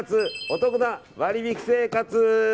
おトクな割引生活。